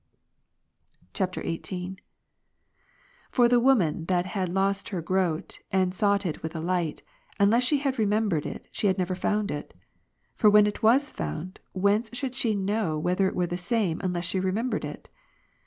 [XVIII.] 27. For the woman that had lost her groat, and Luke 15, sought it with a light; unless she had remembered it, she had never found it. For when it was found, whence should she know whether it were the same, unless she remembered it?